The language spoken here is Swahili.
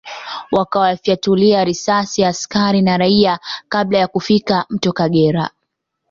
Wakawafyatulia risasi askari na raia kabla ya kufika Mto Kagera